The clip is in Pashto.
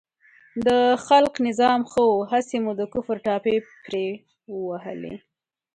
د خلق نظام ښه و، هسې مو د کفر ټاپې پرې ووهلې.